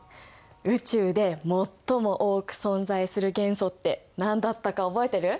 宇宙でもっとも多く存在する元素って何だったか覚えてる？